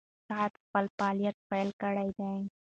ساعت خپل فعالیت پیل کړی دی.